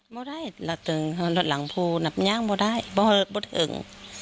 ไม่ได้หลังพูนับย้างไม่ได้เพราะว่าไม่เทิง